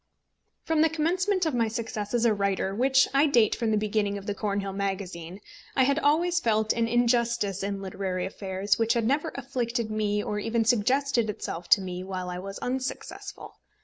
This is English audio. From the commencement of my success as a writer, which I date from the beginning of the Cornhill Magazine, I had always felt an injustice in literary affairs which had never afflicted me or even suggested itself to me while I was unsuccessful.